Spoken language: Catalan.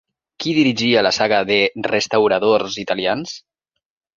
Qui dirigia la saga de restauradors italians?